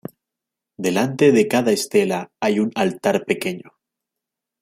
Delante de cada estela hay un altar pequeño.